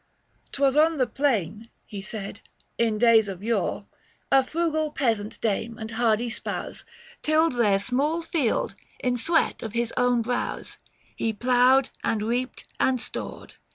* 'Twas on this plain," he said, "in days of yore, A frugal peasant dame and hardy spouse 795 Tilled their small field — in sweat of his own brows He ploughed, and reaped, and stored.